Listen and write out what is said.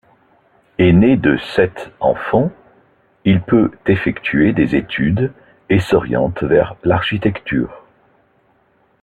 Ainé de sept enfants, il peut effectuer des études et s'oriente vers l'architecture.